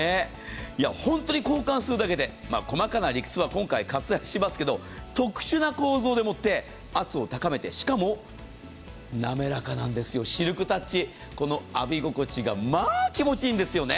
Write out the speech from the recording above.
本当に交換するだけで細かな理屈は今回、割愛しますけど、特殊な構造でもって圧を高めて、しかも滑らかなんですよ、シルクタッチ、この浴び心地がまあ気持ちいいんですよね。